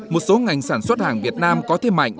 một số ngành sản xuất hàng việt nam có thêm mạnh